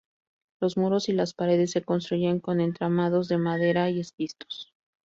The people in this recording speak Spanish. Los muros y las paredes se construyeron con entramados de madera y esquistos.